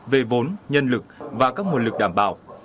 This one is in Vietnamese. về vốn nhân lực và các nguồn lực đảm bảo